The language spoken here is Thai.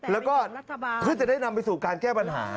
แล้วก็เพื่อจะได้นำไปสู่การแก้ปัญหา